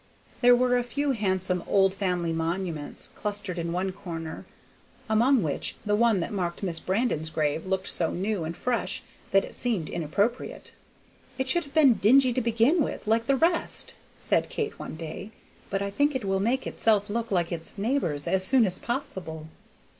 There were a few handsome old family monuments clustered in one corner, among which the one that marked Miss Brandon's grave looked so new and fresh that it seemed inappropriate. "It should have been dingy to begin with, like the rest," said Kate one day; "but I think it will make itself look like its neighbors as soon as possible."